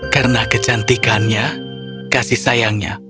karena kecantikannya kasih sayangnya